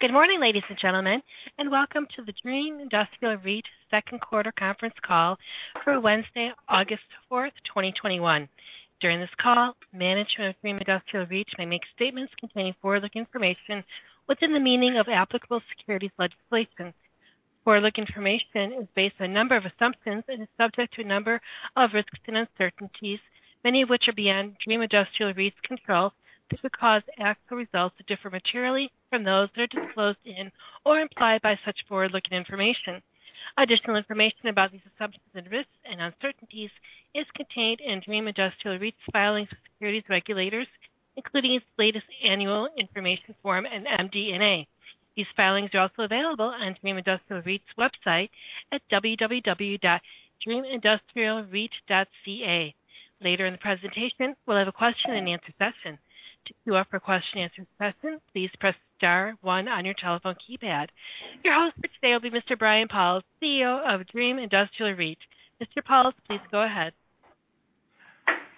Good morning, ladies and gentlemen. Welcome to the Dream Industrial REIT second quarter conference call for Wednesday, August 4th, 2021. During this call, management of Dream Industrial REIT may make statements containing forward-looking information within the meaning of applicable securities legislation. Forward-looking information is based on a number of assumptions and is subject to a number of risks and uncertainties, many of which are beyond Dream Industrial REIT's control, that could cause actual results to differ materially from those that are disclosed in or implied by such forward-looking information. Additional information about these assumptions and risks and uncertainties is contained in Dream Industrial REIT's filings with securities regulators, including its latest annual information form and MD&A. These filings are also available on Dream Industrial REIT's website at www.dreamindustrialreit.ca. Later in the presentation, we'll have a question and answer session. Your host for today will be Mr. Brian Pauls, CEO of Dream Industrial REIT. Mr. Pauls, please go ahead.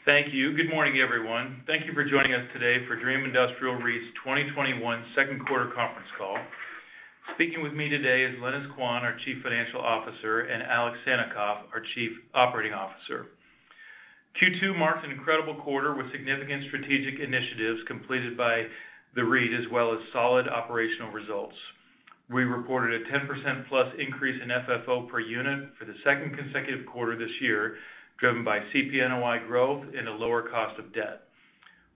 Thank you. Good morning, everyone. Thank you for joining us today for Dream Industrial REIT's 2021 second quarter conference call. Speaking with me today is Lenis Quan, our Chief Financial Officer, and Alexander Sannikov, our Chief Operating Officer. Q2 marks an incredible quarter with significant strategic initiatives completed by the REIT as well as solid operational results. We reported a 10%+ increase in FFO per unit for the second consecutive quarter this year, driven by CPNOI growth and a lower cost of debt.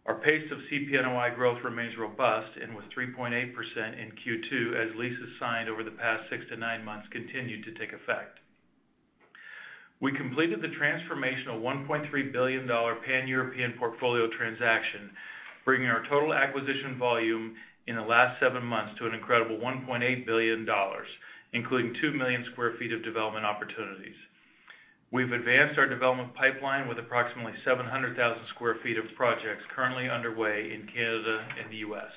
Our pace of CPNOI growth remains robust and was 3.8% in Q2 as leases signed over the past six to nine months continued to take effect. We completed the transformational 1.3 billion dollar pan-European portfolio transaction, bringing our total acquisition volume in the last seven months to an incredible 1.8 billion dollars, including 2 million sq ft of development opportunities. We've advanced our development pipeline with approximately 700,000 sq ft of projects currently underway in Canada and the U.S..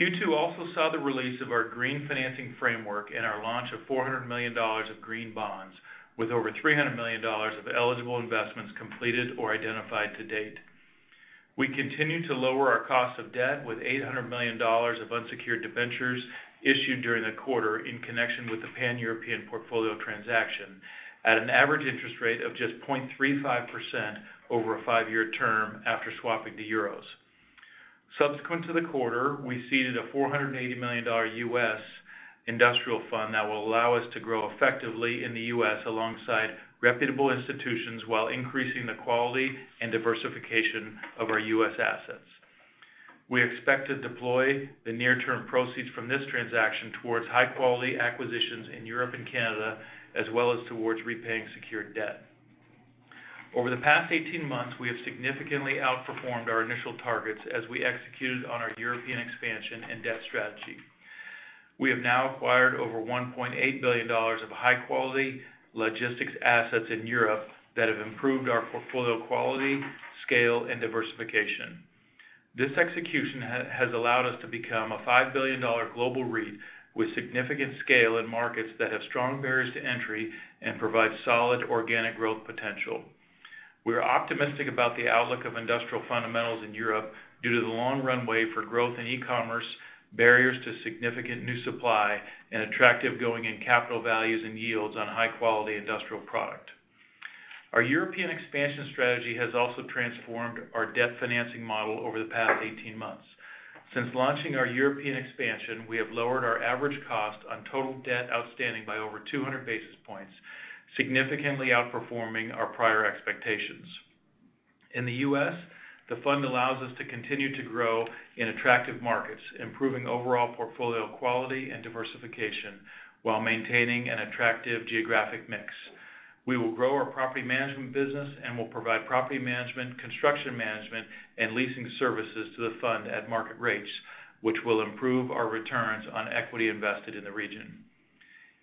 Q2 also saw the release of our Green Financing Framework and our launch of 400 million dollars of green bonds, with over 300 million dollars of eligible investments completed or identified to date. We continue to lower our cost of debt with 800 million dollars of unsecured debentures issued during the quarter in connection with the pan-European portfolio transaction at an average interest rate of just 0.35% over a five-year term after swapping to euros. Subsequent to the quarter, we ceded a 480 million US dollars U.S. industrial fund that will allow us to grow effectively in the U.S. alongside reputable institutions while increasing the quality and diversification of our U.S. assets. We expect to deploy the near-term proceeds from this transaction towards high-quality acquisitions in Europe and Canada, as well as towards repaying secured debt. Over the past 18 months, we have significantly outperformed our initial targets as we executed on our European expansion and debt strategy. We have now acquired over 1.8 billion dollars of high-quality logistics assets in Europe that have improved our portfolio quality, scale, and diversification. This execution has allowed us to become a 5 billion dollar global REIT with significant scale in markets that have strong barriers to entry and provide solid organic growth potential. We're optimistic about the outlook of industrial fundamentals in Europe due to the long runway for growth in e-commerce, barriers to significant new supply, and attractive going-in capital values and yields on high-quality industrial product. Our European expansion strategy has also transformed our debt financing model over the past 18 months. Since launching our European expansion, we have lowered our average cost on total debt outstanding by over 200 basis points, significantly outperforming our prior expectations. In the U.S., the fund allows us to continue to grow in attractive markets, improving overall portfolio quality and diversification while maintaining an attractive geographic mix. We will grow our property management business and will provide property management, construction management, and leasing services to the fund at market rates, which will improve our returns on equity invested in the region.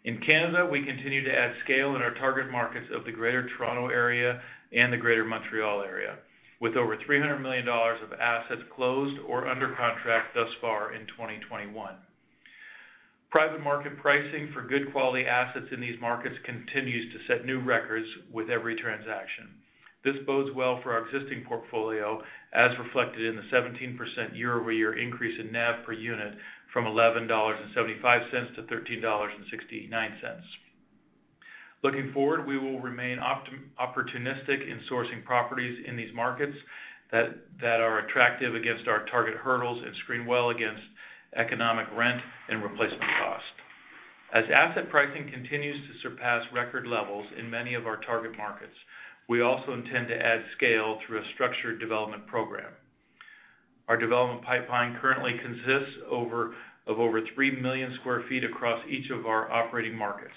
In Canada, we continue to add scale in our target markets of the Greater Toronto Area and the Greater Montreal Area, with over 300 million dollars of assets closed or under contract thus far in 2021. Private market pricing for good quality assets in these markets continues to set new records with every transaction. This bodes well for our existing portfolio, as reflected in the 17% year-over-year increase in NAV per unit from 11.75 dollars to 13.69 dollars. Looking forward, we will remain opportunistic in sourcing properties in these markets that are attractive against our target hurdles and screen well against economic rent and replacement cost. As asset pricing continues to surpass record levels in many of our target markets, we also intend to add scale through a structured development program. Our development pipeline currently consists of over 3 million sq ft across each of our operating markets.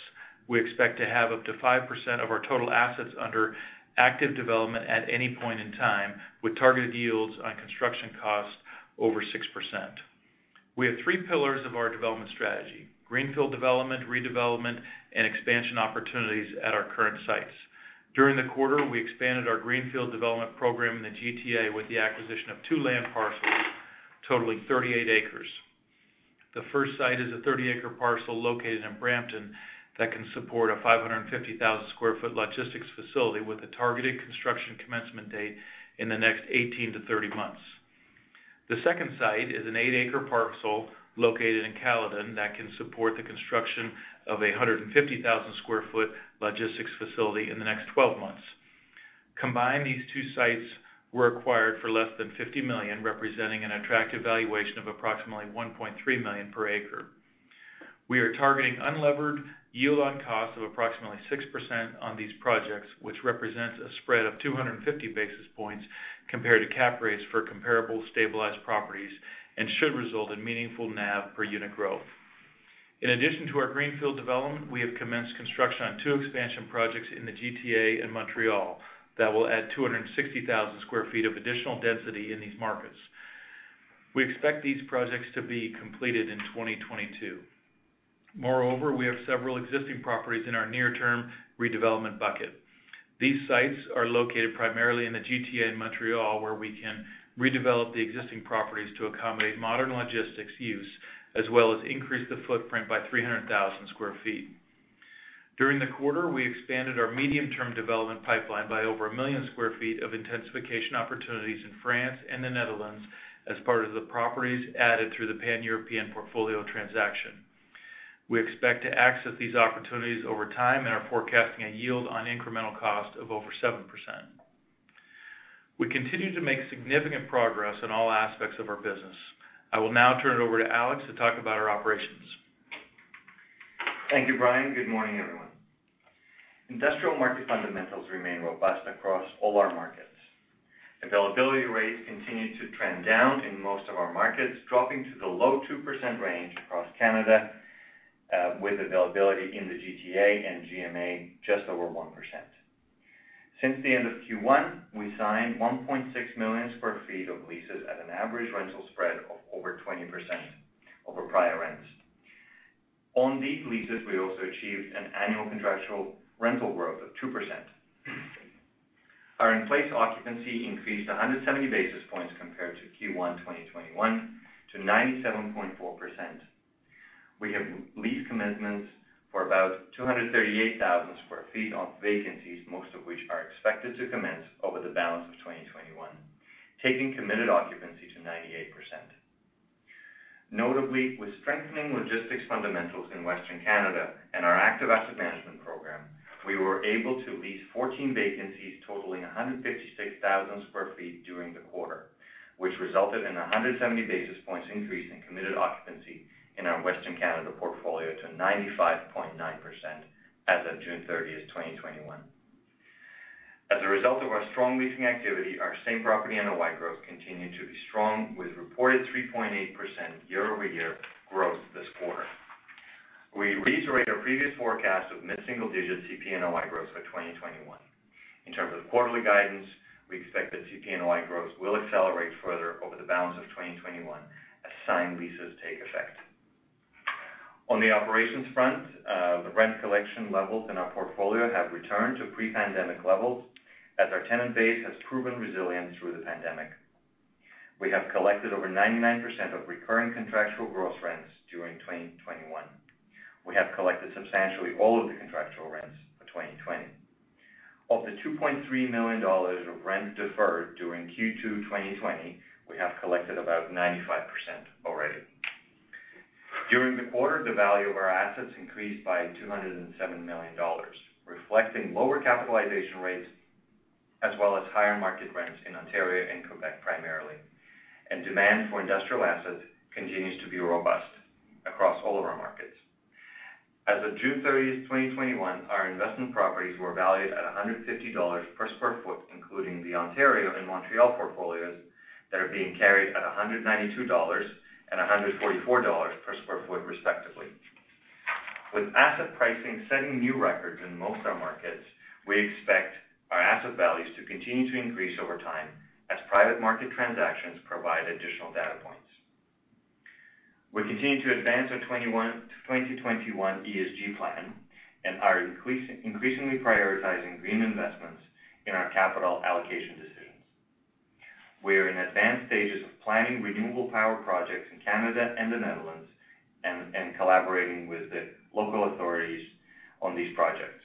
We expect to have up to 5% of our total assets under active development at any point in time, with targeted yields on construction costs over 6%. We have 3 pillars of our development strategy: greenfield development, redevelopment, and expansion opportunities at our current sites. During the quarter, we expanded our greenfield development program in the GTA with the acquisition of two land parcels totaling 38 acres. The first site is a 30-acre parcel located in Brampton that can support a 550,000 sq ft logistics facility with a targeted construction commencement date in the next 18 to 30 months. The second site is an eight-acre parcel located in Caledon that can support the construction of a 150,000 sq ft logistics facility in the next 12 months. Combined, these two sites were acquired for less than 50 million, representing an attractive valuation of approximately 1.3 million per acre. We are targeting unlevered yield on cost of approximately 6% on these projects, which represents a spread of 250 basis points compared to cap rates for comparable stabilized properties and should result in meaningful NAV per unit growth. In addition to our greenfield development, we have commenced construction on two expansion projects in the GTA and Montreal that will add 260,000 sq ft of additional density in these markets. We expect these projects to be completed in 2022. We have several existing properties in our near-term redevelopment bucket. These sites are located primarily in the GTA in Montreal, where we can redevelop the existing properties to accommodate modern logistics use, as well as increase the footprint by 300,000 sq ft. During the quarter, we expanded our medium-term development pipeline by over 1 million sq ft of intensification opportunities in France and the Netherlands as part of the properties added through the pan-European portfolio transaction. We expect to access these opportunities over time and are forecasting a yield on incremental cost of over 7%. We continue to make significant progress in all aspects of our business. I will now turn it over to Alex to talk about our operations. Thank you, Brian. Good morning, everyone. Industrial market fundamentals remain robust across all our markets. Availability rates continue to trend down in most of our markets, dropping to the low 2% range across Canada, with availability in the GTA and GMA just over 1%. Since the end of Q1, we signed 1.6 million sq ft of leases at an average rental spread of over 20% over prior rents. On these leases, we also achieved an annual contractual rental growth of 2%. Our in-place occupancy increased 170 basis points compared to Q1 2021 to 97.4%. We have lease commitments for about 238,000 sq ft of vacancies, most of which are expected to commence over the balance of 2021, taking committed occupancy to 98%. Notably, with strengthening logistics fundamentals in Western Canada and our active asset management program, we were able to lease 14 vacancies totaling 156,000 square feet during the quarter, which resulted in 170 basis points increase in committed occupancy in our Western Canada portfolio to 95.9% as of June 30th, 2021. As a result of our strong leasing activity, our same property NOI growth continued to be strong with reported 3.8% year-over-year growth this quarter. We reiterate our previous forecast of mid-single digit CP NOI growth for 2021. In terms of quarterly guidance, we expect that CP NOI growth will accelerate further over the balance of 2021 as signed leases take effect. On the operations front, the rent collection levels in our portfolio have returned to pre-pandemic levels as our tenant base has proven resilient through the pandemic. We have collected over 99% of recurring contractual gross rents during 2021. We have collected substantially all of the contractual rents for 2020. Of the 2.3 million dollars of rent deferred during Q2 2020, we have collected about 95% already. During the quarter, the value of our assets increased by 207 million dollars, reflecting lower capitalization rates, as well as higher market rents in Ontario and Quebec primarily, and demand for industrial assets continues to be robust across all of our markets. As of June 30th, 2021, our investment properties were valued at 150 dollars per sq ft, including the Ontario and Montreal portfolios that are being carried at 192 dollars and 144 dollars per sq ft, respectively. With asset pricing setting new records in most of our markets, we expect our asset values to continue to increase over time as private market transactions provide additional data points. We continue to advance our 2021 ESG plan and are increasingly prioritizing green investments in our capital allocation decisions. We are in advanced stages of planning renewable power projects in Canada and the Netherlands and collaborating with the local authorities on these projects.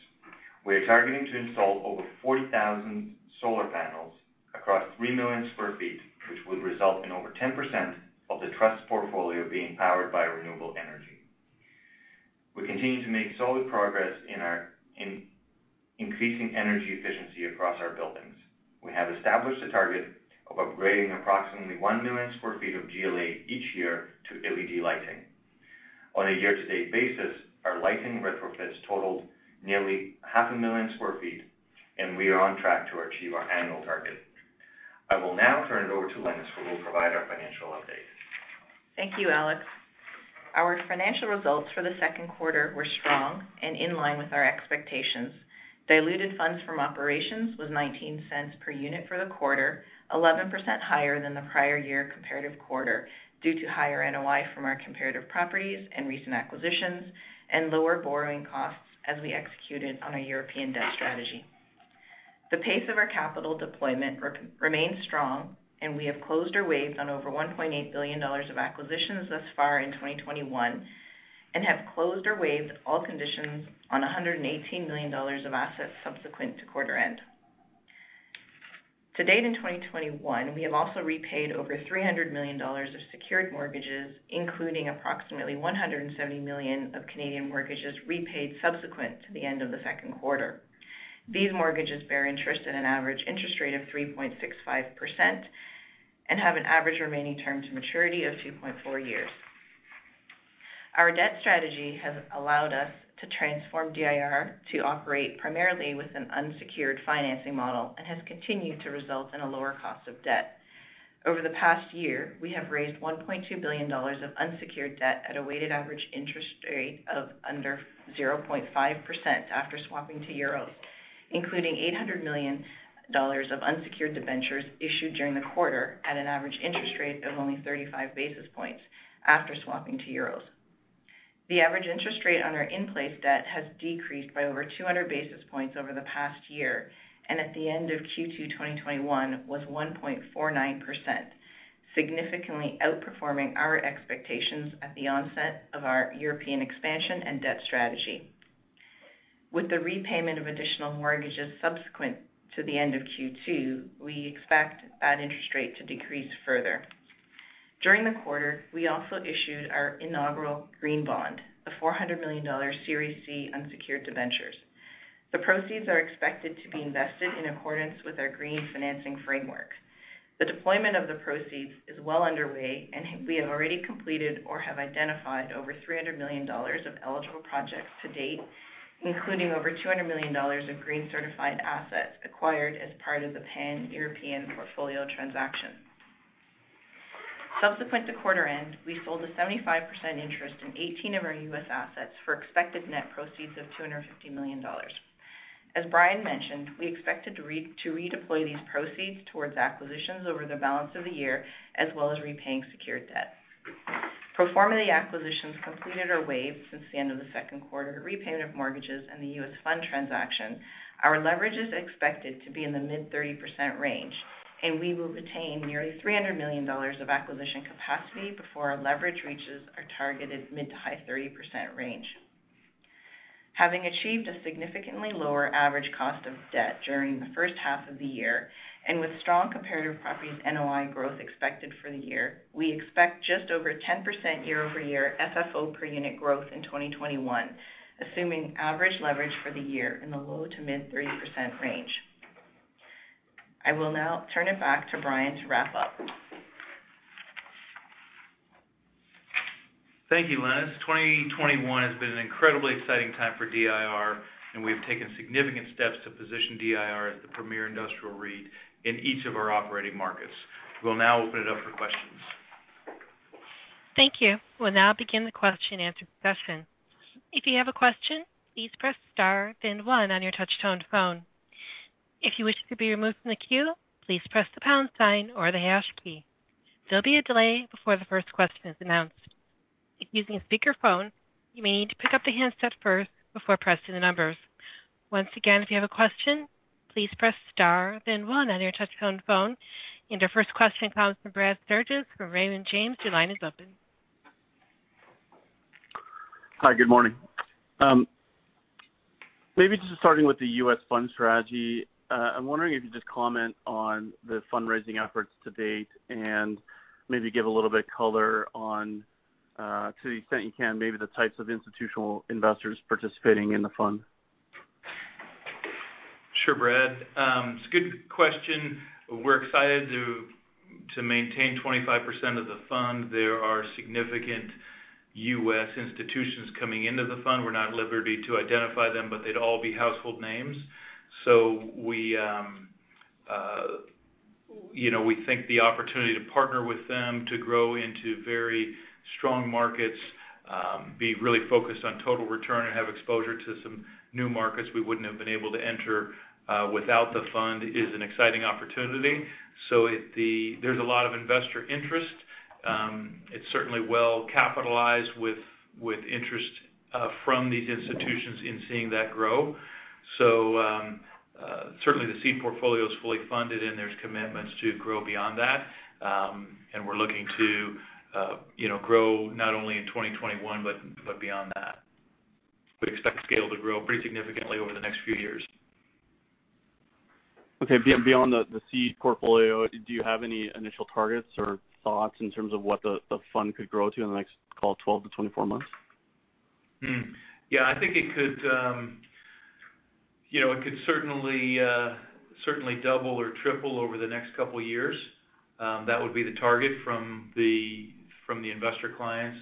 We are targeting to install over 40,000 solar panels across 3 million sq ft, which would result in over 10% of the trust portfolio being powered by renewable energy. We continue to make solid progress in increasing energy efficiency across our buildings. We have established a target of upgrading approximately 1 million sq ft of GLA each year to LED lighting. On a year-to-date basis, our lighting retrofits totaled nearly 500,000 sq ft, and we are on track to achieve our annual target. I will now turn it over to Lenis, who will provide our financial update. Thank you, Alex. Our financial results for the second quarter were strong and in line with our expectations. Diluted funds from operations was 0.19 per unit for the quarter, 11% higher than the prior year comparative quarter due to higher NOI from our comparative properties and recent acquisitions and lower borrowing costs as we executed on our European debt strategy. The pace of our capital deployment remains strong. We have closed or waived on over 1.8 billion dollars of acquisitions thus far in 2021 and have closed or waived all conditions on 118 million dollars of assets subsequent to quarter end. To date, in 2021, we have also repaid over 300 million dollars of secured mortgages, including approximately 170 million of Canadian mortgages repaid subsequent to the end of the second quarter. These mortgages bear interest at an average interest rate of 3.65% and have an average remaining term to maturity of 2.4 years. Our debt strategy has allowed us to transform DIR to operate primarily with an unsecured financing model and has continued to result in a lower cost of debt. Over the past year, we have raised 1.2 billion dollars of unsecured debt at a weighted average interest rate of under 0.5% after swapping to euros, including 800 million dollars of unsecured debentures issued during the quarter at an average interest rate of only 35 basis points after swapping to euros. The average interest rate on our in-place debt has decreased by over 200 basis points over the past year, and at the end of Q2 2021 was 1.49%, significantly outperforming our expectations at the onset of our European expansion and debt strategy. With the repayment of additional mortgages subsequent to the end of Q2, we expect that interest rate to decrease further. During the quarter, we also issued our inaugural green bond, the 400 million dollar Series C unsecured debentures. The proceeds are expected to be invested in accordance with our Green Financing Framework. The deployment of the proceeds is well underway, and we have already completed or have identified over 300 million dollars of eligible projects to date, including over 200 million dollars of green certified assets acquired as part of the pan-European portfolio transaction. Subsequent to quarter end, we sold a 75% interest in 18 of our U.S. assets for expected net proceeds of 250 million dollars. As Brian mentioned, we expected to redeploy these proceeds towards acquisitions over the balance of the year, as well as repaying secured debt. Pro forma, the acquisitions completed or waived since the end of the second quarter, repayment of mortgages, and the U.S. fund transaction, our leverage is expected to be in the mid-30% range, and we will retain nearly 300 million dollars of acquisition capacity before our leverage reaches our targeted mid to high 30% range. Having achieved a significantly lower average cost of debt during the first half of the year and with strong Comparative Properties NOI growth expected for the year, we expect just over 10% year-over-year FFO per unit growth in 2021, assuming average leverage for the year in the low to mid-30% range. I will now turn it back to Brian to wrap up. Thank you, Lenis. 2021 has been an incredibly exciting time for DIR, and we have taken significant steps to position DIR as the premier industrial REIT in each of our operating markets. We'll now open it up for questions. Thank you. We'll now begin the question-and-answer session. If you have a question, please press star then one on your touchtone phone. If you wish to be removed from the queue, please press the pound sign or the hash key. There'll be a delay before the first question is announced. If using a speakerphone, you may need to pick up the handset first before pressing the numbers. Once again, if you have a question, please press star, then one on your touchtone phone. Our first question comes from Brad Sturges from Raymond James. Your line is open. Hi. Good morning. Maybe just starting with the U.S. fund strategy. I'm wondering if you could just comment on the fundraising efforts to date and maybe give a little bit of color on, to the extent you can, maybe the types of institutional investors participating in the fund. Sure, Brad. It's a good question. We're excited to maintain 25% of the fund. There are significant U.S. institutions coming into the fund. We're not at liberty to identify them, but they'd all be household names. We think the opportunity to partner with them to grow into very strong markets, be really focused on total return, and have exposure to some new markets we wouldn't have been able to enter without the fund is an exciting opportunity. There's a lot of investor interest. It's certainly well capitalized with interest from these institutions in seeing that grow. Certainly, the seed portfolio is fully funded, and there's commitments to grow beyond that. We're looking to grow not only in 2021, but beyond that. We expect scale to grow pretty significantly over the next few years. Okay. Beyond the seed portfolio, do you have any initial targets or thoughts in terms of what the fund could grow to in the next, call it, 12 to 24 months? Yeah, I think it could certainly double or triple over the next couple of years. That would be the target from the investor clients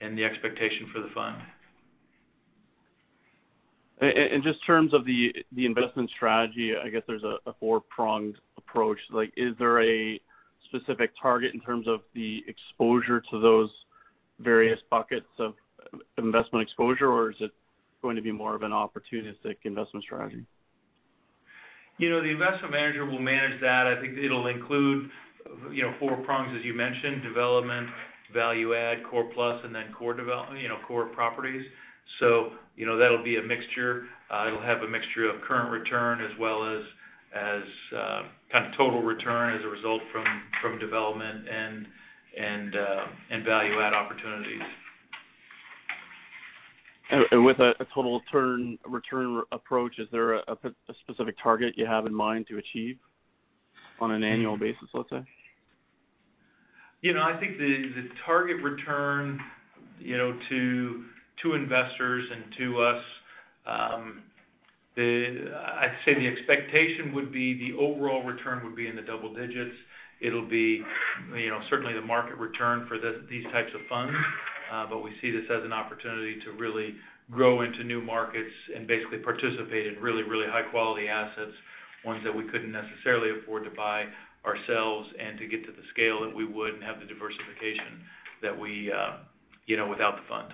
and the expectation for the fund. Just in terms of the investment strategy, I guess there's a four-pronged approach. Is there a specific target in terms of the exposure to those various buckets of investment exposure, or is it going to be more of an opportunistic investment strategy? The investment manager will manage that. I think it'll include four prongs, as you mentioned: development, value add, core plus, and then core development, core properties. That'll be a mixture. It'll have a mixture of current return as well as kind of total return as a result from development and value add opportunities. With a total return approach, is there a specific target you have in mind to achieve on an annual basis, let's say? I think the target return to investors and to us, I'd say the expectation would be the overall return would be in the double digits. It'll be certainly the market return for these types of funds. We see this as an opportunity to really grow into new markets and basically participate in really, really high-quality assets, ones that we couldn't necessarily afford to buy ourselves, and to get to the scale that we would and have the diversification without the fund.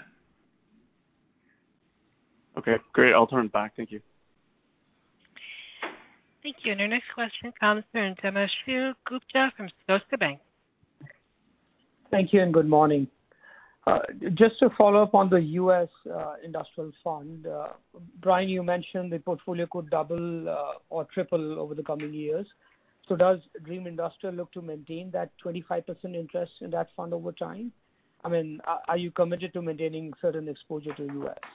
Okay, great. I'll turn it back. Thank you. Thank you. Our next question comes from Himanshu Gupta from Scotiabank. Thank you and good morning. Just to follow up on the U.S. industrial fund. Brian, you mentioned the portfolio could double or triple over the coming years. Does Dream Industrial look to maintain that 25% interest in that fund over time? Are you committed to maintaining certain exposure to U.S.? Yes,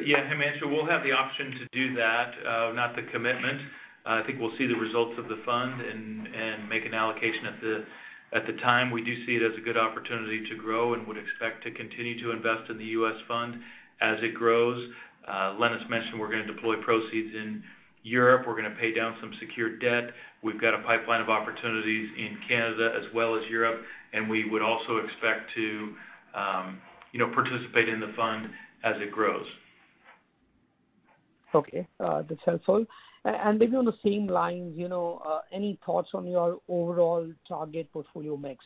Himanshu, we'll have the option to do that, not the commitment. I think we'll see the results of the fund and make an allocation at the time. We do see it as a good opportunity to grow and would expect to continue to invest in the U.S. fund as it grows. Lenis mentioned we're going to deploy proceeds in Europe. We're going to pay down some secured debt. We've got a pipeline of opportunities in Canada as well as Europe, and we would also expect to participate in the fund as it grows. Okay. That's helpful. Maybe on the same lines, any thoughts on your overall target portfolio mix?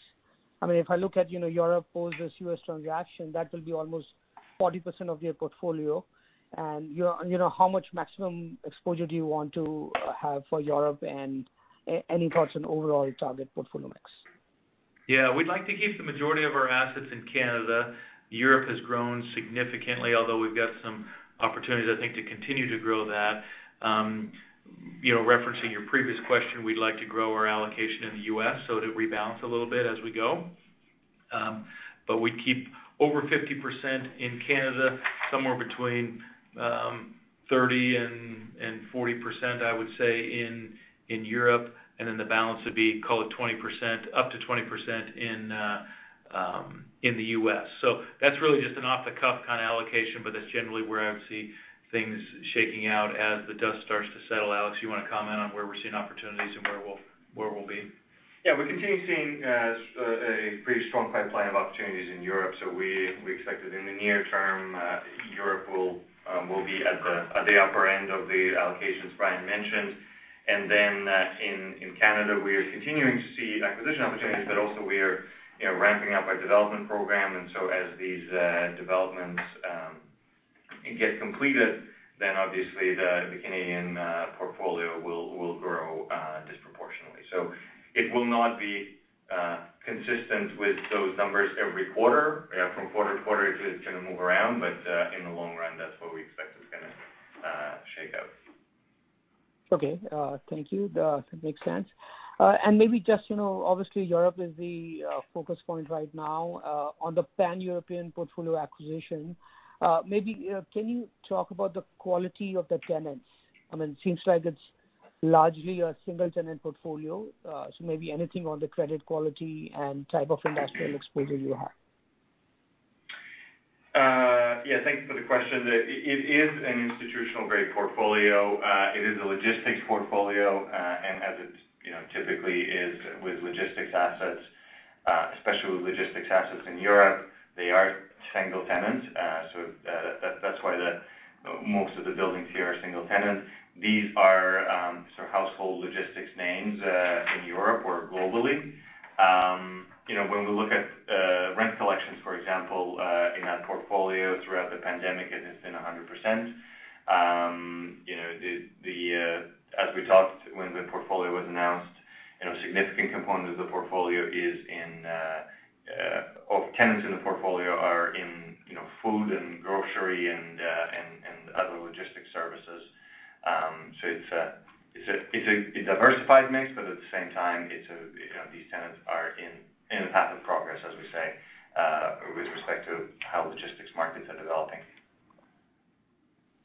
If I look at Europe versus U.S. transaction, that will be almost 40% of your portfolio. How much maximum exposure do you want to have for Europe, and any thoughts on overall target portfolio mix? Yeah. We'd like to keep the majority of our assets in Canada. Europe has grown significantly, although we've got some opportunities, I think, to continue to grow that. Referencing your previous question, we'd like to grow our allocation in the U.S. so it rebalances a little bit as we go. We keep over 50% in Canada, somewhere between 30% and 40%, I would say, in Europe. The balance would be, call it 20%, up to 20% in the U.S. That's really just an off-the-cuff kind of allocation. That's generally where I would see things shaking out as the dust starts to settle. Alex, you want to comment on where we're seeing opportunities and where we'll be? We continue seeing a pretty strong pipeline of opportunities in Europe. We expect that in the near term, Europe will be at the upper end of the allocations Brian mentioned. Then in Canada, we are continuing to see acquisition opportunities, but also we are ramping up our development program. So as these developments get completed, then obviously the Canadian portfolio will grow disproportionately. It will not be consistent with those numbers every quarter. From quarter-to-quarter, it's going to move around. In the long run, that's what we expect is going to shake out. Okay. Thank you. That makes sense. Maybe just, obviously Europe is the focus point right now. On the pan-European portfolio acquisition, maybe can you talk about the quality of the tenants? It seems like it's largely a single-tenant portfolio. Maybe anything on the credit quality and type of industrial exposure you have. Thanks for the question. It is an institutional-grade portfolio. It is a logistics portfolio. As it typically is with logistics assets, especially with logistics assets in Europe, they are single tenants. That's why most of the buildings here are single tenant. These are sort of household logistics names in Europe or globally. When we look at rent collections, for example, in that portfolio throughout the pandemic, it has been 100%. As we talked when the portfolio was announced, a significant component of tenants in the portfolio are in food and grocery and other logistics services. It's a diversified mix, but at the same time, these tenants are in the path of progress, as we say, with respect to how logistics markets are developing.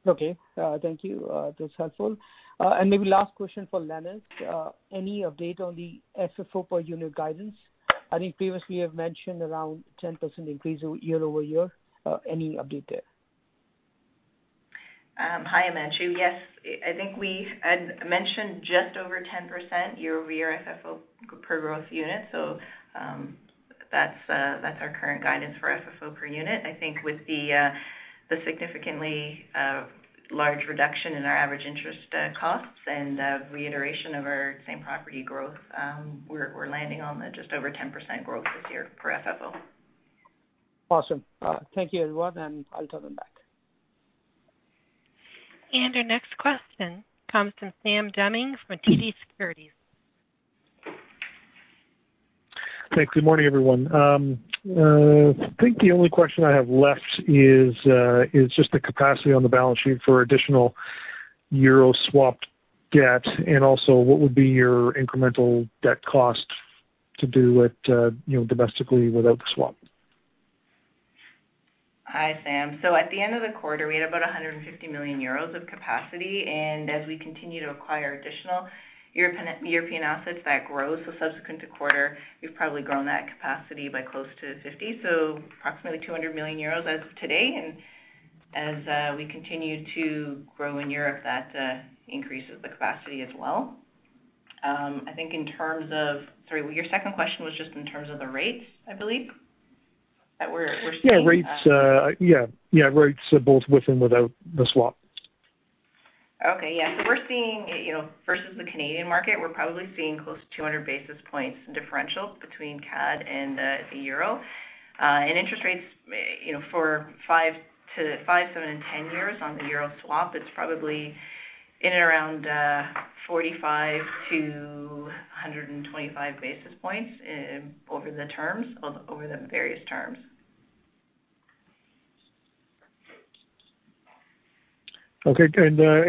Okay. Thank you. That's helpful. Maybe last question for Lenis. Any update on the FFO per unit guidance? I think previously you've mentioned around 10% increase year-over-year. Any update there? Hi, Himanshu. Yes, I think we had mentioned just over 10% year-over-year FFO per growth unit. That's our current guidance for FFO per unit. I think with the significantly large reduction in our average interest costs and reiteration of our same-property growth, we're landing on the just over 10% growth this year for FFO. Awesome. Thank you, everyone, and I'll turn it back. Our next question comes from Sam Damiani from TD Securities. Thanks. Good morning, everyone. I think the only question I have left is just the capacity on the balance sheet for additional euros swap debt, and also what would be your incremental debt cost. To do it domestically without the swap. Hi, Sam. At the end of the quarter, we had about 150 million euros of capacity, and as we continue to acquire additional European assets, that grows. Subsequent to quarter, we've probably grown that capacity by close to 50 million, so approximately 200 million euros as of today. As we continue to grow in Europe, that increases the capacity as well. Sorry, your second question was just in terms of the rates, I believe? Rates both with and without the swap. Okay. Yeah. Versus the Canadian market, we're probably seeing close to 200 basis points in differentials between CAD and the euro. Interest rates for five, seven, and 10 years on the euro swap, it's probably in and around 45 basis points-125 basis points over the various terms. Okay.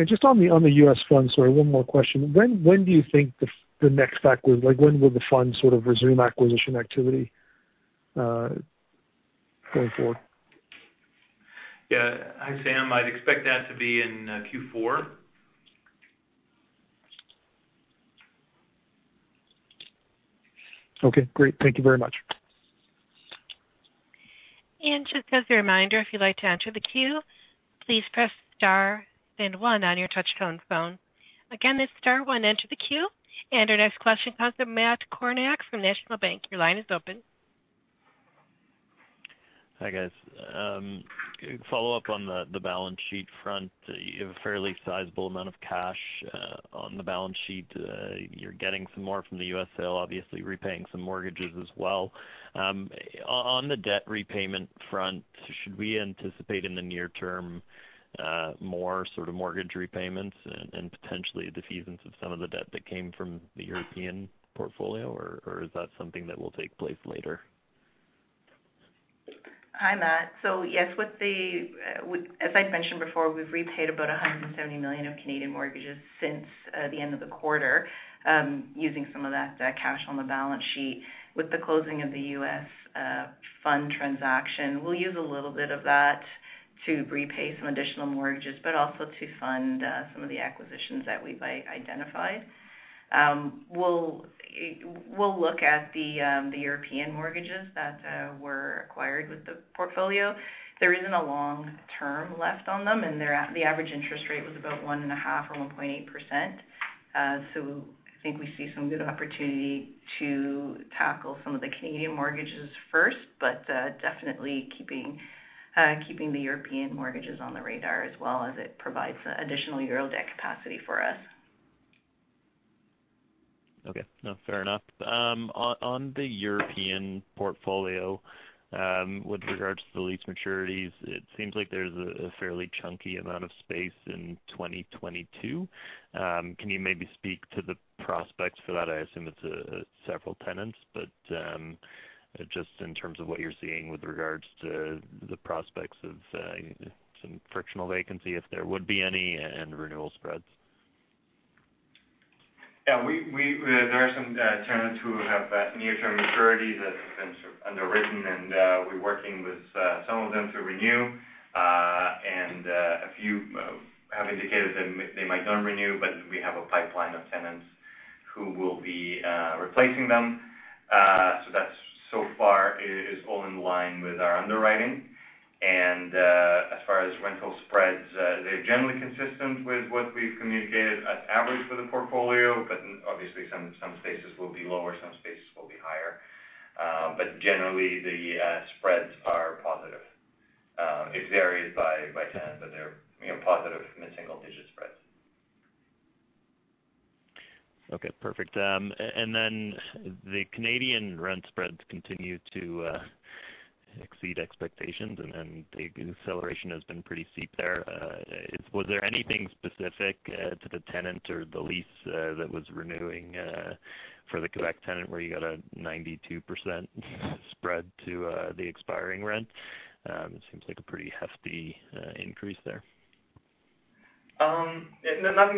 Just on the U.S. fund, sorry, one more question. When do you think, when will the fund sort of resume acquisition activity going forward? Hi, Sam. I'd expect that to be in Q4. Okay, great. Thank you very much. Just as a reminder, if you'd like to enter the queue, please press star then one on your touchtone phone. Again, that's star one, enter the queue. Our next question comes from Matt Kornack from National Bank. Your line is open. Hi, guys. Follow up on the balance sheet front. You have a fairly sizable amount of cash on the balance sheet. You are getting some more from the U.S. sale, obviously repaying some mortgages as well. On the debt repayment front, should we anticipate in the near term more sort of mortgage repayments and potentially defeasance of some of the debt that came from the European portfolio, or is that something that will take place later? Hi, Matt. Yes, as I'd mentioned before, we've repaid about 170 million of Canadian mortgages since the end of the quarter using some of that cash on the balance sheet. With the closing of the U.S. fund transaction, we'll use a little bit of that to repay some additional mortgages, also to fund some of the acquisitions that we've identified. We'll look at the European mortgages that were acquired with the portfolio. There isn't a long term left on them, the average interest rate was about 1.5% or 1.8%. I think we see some good opportunity to tackle some of the Canadian mortgages first, definitely keeping the European mortgages on the radar as well as it provides additional euro debt capacity for us. Okay. No, fair enough. On the European portfolio, with regards to the lease maturities, it seems like there's a fairly chunky amount of space in 2022. Can you maybe speak to the prospects for that? I assume it's several tenants, but just in terms of what you're seeing with regards to the prospects of some frictional vacancy, if there would be any, and renewal spreads. There are some tenants who have near-term maturities that have been sort of underwritten, and we're working with some of them to renew. A few have indicated that they might not renew, but we have a pipeline of tenants who will be replacing them. That so far is all in line with our underwriting. As far as rental spreads, they're generally consistent with what we've communicated as average for the portfolio. Obviously some spaces will be lower, some spaces will be higher. Generally, the spreads are positive. It varies by tenant, but they're positive mid-single-digit spreads. Okay, perfect. The Canadian rent spreads continue to exceed expectations, and the acceleration has been pretty steep there. Was there anything specific to the tenant or the lease that was renewing for the Quebec tenant where you got a 92% spread to the expiring rent? It seems like a pretty hefty increase there.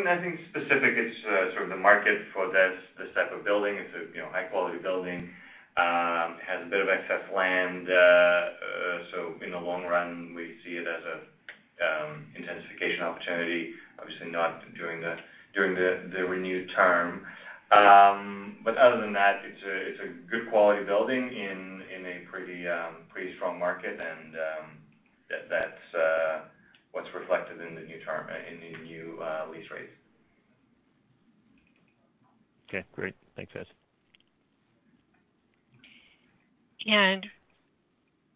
Nothing specific. It's sort of the market for this type of building. It's a high-quality building. Has a bit of excess land. In the long run, we see it as an intensification opportunity, obviously not during the renewed term. Other than that, it's a good quality building in a pretty strong market, and that's what's reflected in the new lease rates. Okay, great. Thanks, guys.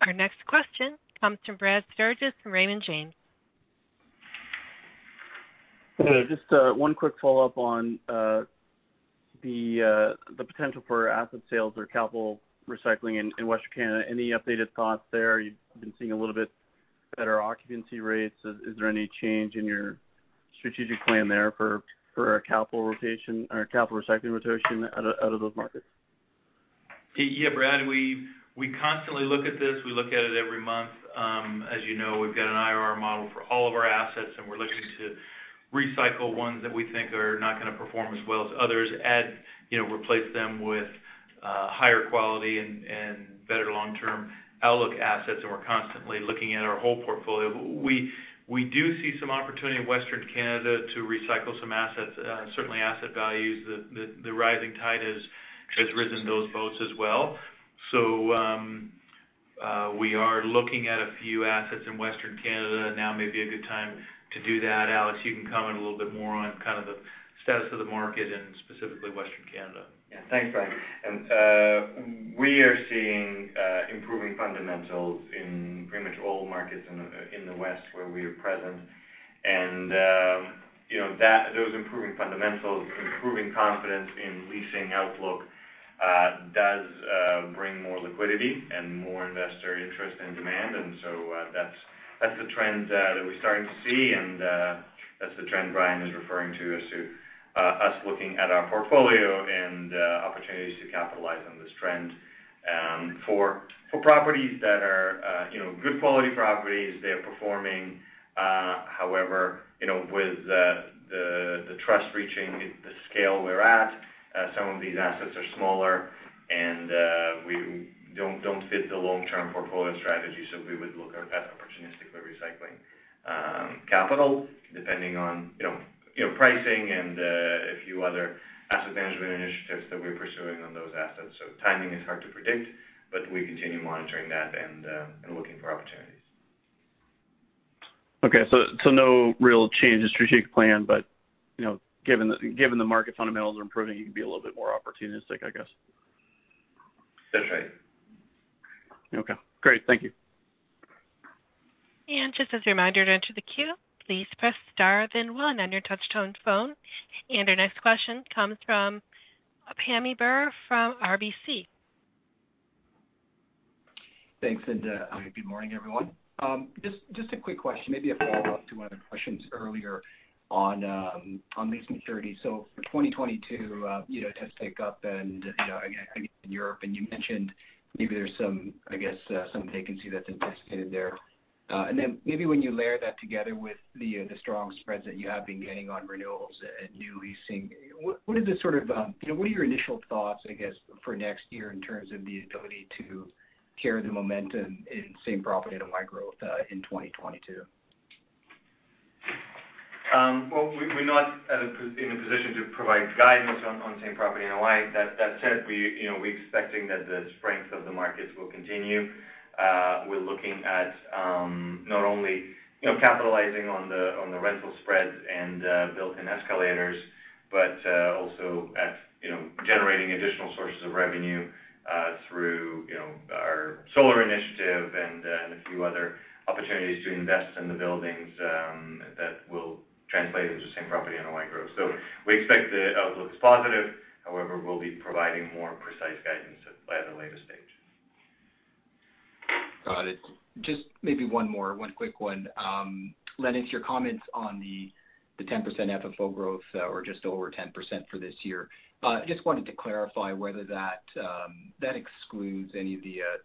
Our next question comes from Brad Sturges from Raymond James. Hey, just one quick follow-up on the potential for asset sales or capital recycling in West Canada. Any updated thoughts there? You've been seeing a little bit better occupancy rates. Is there any change in your strategic plan there for a capital rotation or capital recycling rotation out of those markets? Yeah, Brad, we constantly look at this. We look at it every month. As you know, we've got an IRR model for all of our assets, and we're looking to. Recycle ones that we think are not going to perform as well as others, replace them with higher quality and better long-term outlook assets. We're constantly looking at our whole portfolio. We do see some opportunity in Western Canada to recycle some assets. Certainly asset values, the rising tide has risen those boats as well. We are looking at a few assets in Western Canada. Now may be a good time to do that. Alex, you can comment a little bit more on kind of the status of the market in specifically Western Canada. Yeah. Thanks, Brian. We are seeing improving fundamentals in pretty much all markets in the West where we are present. Those improving fundamentals, improving confidence in leasing outlook, does bring more liquidity and more investor interest and demand. That's the trend that we're starting to see, and that's the trend Brian is referring to, as to us looking at our portfolio and opportunities to capitalize on this trend. For properties that are good quality properties, they're performing. However, with the trust reaching the scale we're at, some of these assets are smaller, and we don't fit the long-term portfolio strategy, so we would look at opportunistically recycling capital depending on pricing and a few other asset management initiatives that we're pursuing on those assets. Timing is hard to predict, but we continue monitoring that and looking for opportunities. Okay, no real change in strategic plan, but given the market fundamentals are improving, you can be a little bit more opportunistic, I guess. That's right. Okay, great. Thank you. Just as a reminder to enter the queue, please press star 1 on your touch-tone phone. Our next question comes from Pammi Bir from RBC. Thanks, good morning, everyone. Just a quick question, maybe a follow-up to other questions earlier on lease maturity. For 2022, tenant take-up, again, I think in Europe, you mentioned maybe there's some, I guess, some vacancy that's anticipated there. Maybe when you layer that together with the strong spreads that you have been getting on renewals and new leasing, what are your initial thoughts, I guess, for next year in terms of the ability to carry the momentum in same-property NOI growth in 2022? Well, we're not in a position to provide guidance on same property NOI. That said, we're expecting that the strength of the markets will continue. We're looking at not only capitalizing on the rental spreads and built-in escalators, but also at generating additional sources of revenue through our solar initiative and a few other opportunities to invest in the buildings that will translate into same property NOI growth. We expect the outlook is positive. However, we'll be providing more precise guidance at a later stage. Got it. Just maybe one more, one quick one. Lenis, your comments on the 10% FFO growth, or just over 10% for this year. Just wanted to clarify whether that excludes any of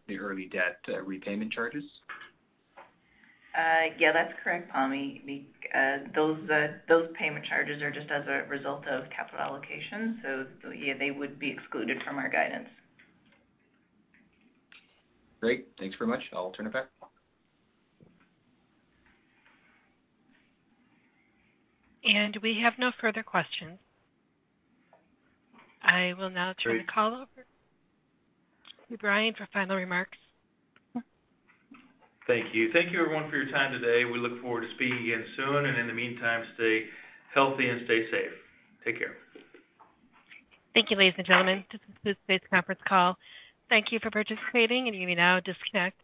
the early debt repayment charges. That's correct, Pammi. Those payment charges are just as a result of capital allocation. They would be excluded from our guidance. Great. Thanks very much. I'll turn it back. We have no further questions. I will now turn the call over to Brian for final remarks. Thank you. Thank you everyone for your time today. We look forward to speaking again soon. In the meantime, stay healthy and stay safe. Take care. Thank you, ladies and gentlemen. This concludes today's conference call. Thank you for participating, and you may now disconnect.